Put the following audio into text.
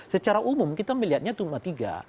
secara umum kita melihatnya cuma tiga